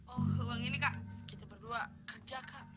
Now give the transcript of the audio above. oh uang ini kak kita berdua kerja kak